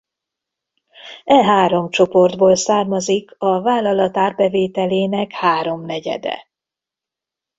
E három csoportból származik a vállalat árbevételének háromnegyede.